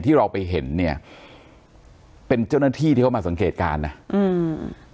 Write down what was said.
ที่เราไปเห็นเนี้ยเป็นเจ้าหน้าที่ที่เขามาสังเกตการณ์นะอืม